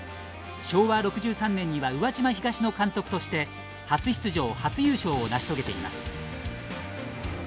昭和６３年には宇和島東の監督として初出場初優勝を成し遂げています。